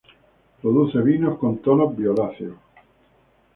Produce vinos con tonos violáceos.